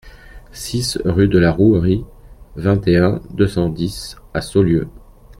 six rue de la Rouerie, vingt et un, deux cent dix à Saulieu